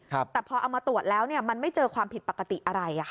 แต่พอเอามาตรวจแล้วมันไม่เจอความผิดปกติอะไร